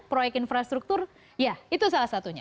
proyek infrastruktur ya itu salah satunya